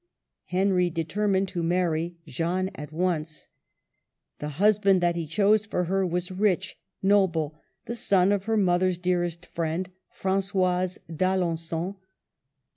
Henry determined to marry Jeanne at once. The husband that he chose for her was rich, noble, the son of her mother's dearest friend, Fran^oise d'Alengon.